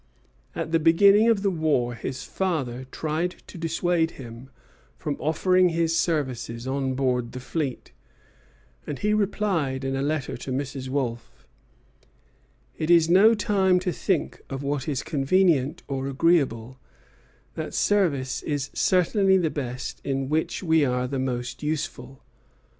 At the beginning of the war his father tried to dissuade him from offering his services on board the fleet; and he replies in a letter to Mrs. Wolfe: "It is no time to think of what is convenient or agreeable; that service is certainly the best in which we are the most useful.